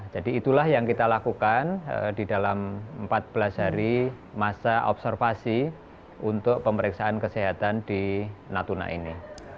jadi itulah yang kita lakukan di dalam empat belas hari masa observasi untuk pemeriksaan kesehatan di natuna ini